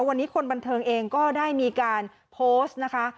วันนี้คนบันเทิงเองก็ได้มีการโพสต์นะคะ